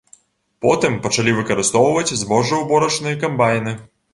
Потым пачалі выкарыстоўваць збожжаўборачныя камбайны.